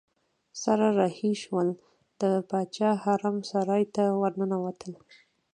سره رهي شول د باچا حرم سرای ته ورننوتل.